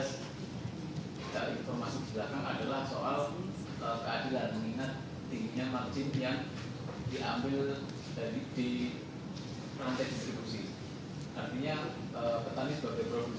saya cuma ingin bertanya apakah pt ibu ini merasa ada persaingan bisnis di bagian pemberhentian kemarin